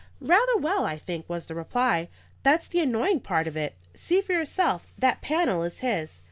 "Rather well, I think," was the reply. "That's the annoying part of it. See for yourself. That panel is his."